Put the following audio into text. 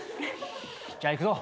じゃあいくぞ。